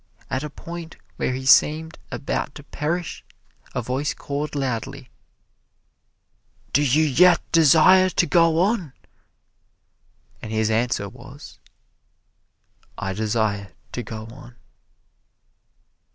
At a point where he seemed about to perish a voice called loudly, "Do you yet desire to go on?" And his answer was, "I desire to go on."